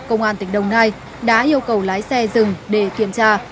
công an tỉnh đồng nai đã yêu cầu lái xe dừng để kiểm tra